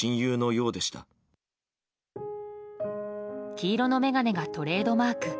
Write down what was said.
黄色の眼鏡がトレードマーク。